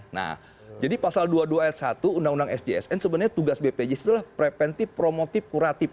nah jadi pasal dua puluh dua ayat satu undang undang sjsn sebenarnya tugas bpjs itu adalah preventif promotif kuratif